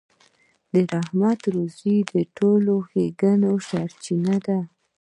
د زحمت روزي د ټولو ښېګڼو سرچينه ده.